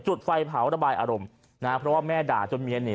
จุดไฟเผาระบายอารมณ์นะฮะเพราะว่าแม่ด่าจนเมียหนี